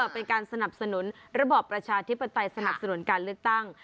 เป็นการสนับสนุนระบอบประชาธิปไตยสนับสนุนการเลือกตั้ง